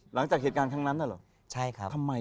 หลังจากเหตุการณ์ข้างนั้นหรอทำไมอ่ะใช่ครับ